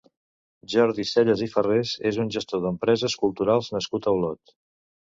Jordi Sellas i Ferrés és un gestor d'empreses culturals nascut a Olot.